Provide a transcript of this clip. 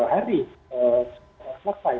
harusnya dua hari